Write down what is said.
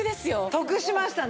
得しましたね。